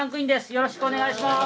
よろしくお願いします！